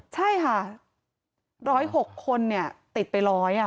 ใช่ค่ะ๑๐๖คนเนี่ยติดไปร้อย